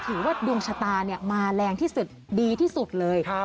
ถือว่าดวงชะตามาแรงที่สุดดีที่สุดเลย